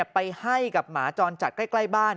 ไปให้กับหมาจรจัดใกล้บ้าน